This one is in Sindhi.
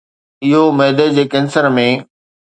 اهو معدي جي ڪينسر ۾